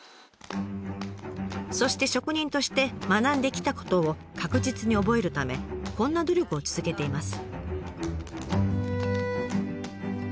そして職人として学んできたことを確実に覚えるためこんな努力を続けています。